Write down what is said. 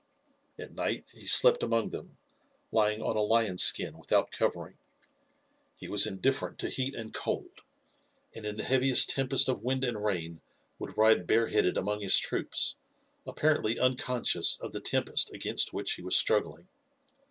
At night he slept among them, lying on a lion skin without covering. He was indifferent to heat and cold, and in the heaviest tempest of wind and rain would ride bareheaded among his troops, apparently unconscious of the tempest against which he was struggling.